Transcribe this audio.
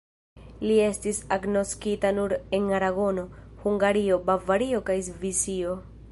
Li estis agnoskita nur en Aragono, Hungario, Bavario kaj Svisio.